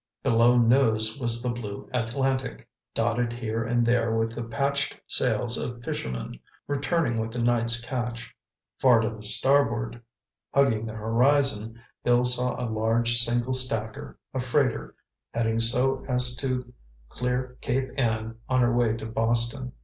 Below now was the blue Atlantic, dotted here and there with the patched sails of fishermen, returning with the night's catch. Far to the starboard, hugging the horizon, Bill saw a large single stacker, a freighter, heading so as to clear Cape Ann on her way to Boston.